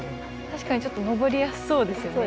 確かにちょっと登りやすそうですよね。